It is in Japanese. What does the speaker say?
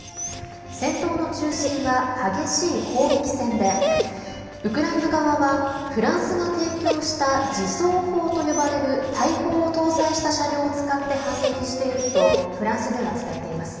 戦闘の中心は激しい砲撃戦でウクライナ側はフランスが提供した自走砲と呼ばれる大砲を搭載した車両を使って反撃しているとフランス２は伝えています。